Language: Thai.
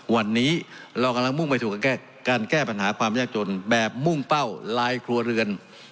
วันนี้เรากำลังมุ่งไปสู่การแก้ปัญหาความยากจนแบบมุ่งเป้าลายครัวเรือน